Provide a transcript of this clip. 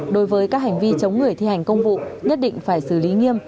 đối với các hành vi chống người thi hành công vụ nhất định phải xử lý nghiêm